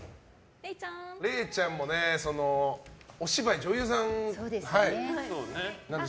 れいちゃんもお芝居女優さんなんで。